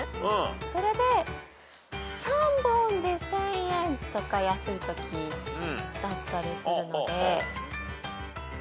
それで３本で１，０００円とか安いときだったりするので。